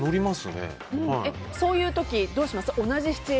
そういう時どうします？